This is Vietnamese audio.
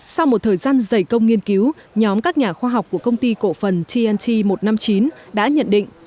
sau một thời gian dày công nghiên cứu nhóm các nhà khoa học của công ty cổ phần tnt một trăm năm mươi chín đã nhận định